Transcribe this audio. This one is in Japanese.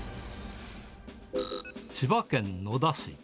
千葉県野田市。